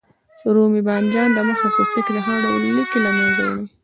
رومي بانجان د مخ د پوستکي هر ډول لکې له منځه وړي.